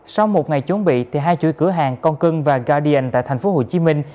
sau một ngày chuẩn bị hai chuỗi cửa hàng con cưng và gadian tại thành phố hồ chí minh